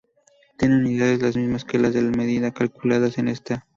Tiene unidades las mismas que las de la medida calculadas en esta.